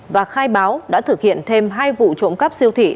và khai báo đã thực hiện thêm hai vụ trộm cắp siêu thị